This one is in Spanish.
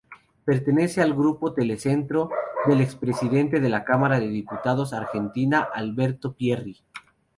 Pertenece al grupo Telecentro, del expresidente de la Cámara de Diputados argentina, Alberto Pierri.